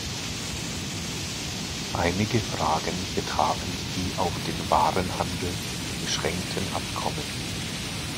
Einige Fragen betrafen die auf den Warenhandel beschränkten Abkommen.